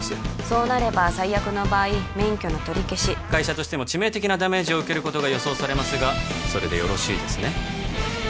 そうなれば最悪の場合免許の取り消し会社としても致命的なダメージを受けることが予想されますがそれでよろしいですね